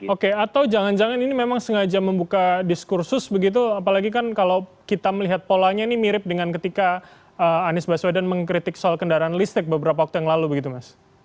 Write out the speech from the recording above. oke atau jangan jangan ini memang sengaja membuka diskursus begitu apalagi kan kalau kita melihat polanya ini mirip dengan ketika anies baswedan mengkritik soal kendaraan listrik beberapa waktu yang lalu begitu mas